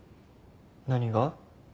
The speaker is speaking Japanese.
何が？